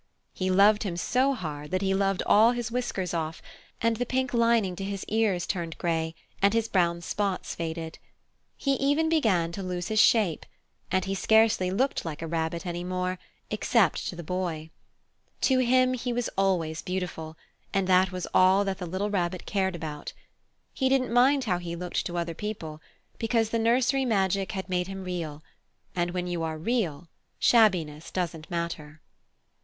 He loved him so hard that he loved all his whiskers off, and the pink lining to his ears turned grey, and his brown spots faded. He even began to lose his shape, and he scarcely looked like a rabbit any more, except to the Boy. To him he was always beautiful, and that was all that the little Rabbit cared about. He didn't mind how he looked to other people, because the nursery magic had made him Real, and when you are Real shabbiness doesn't matter.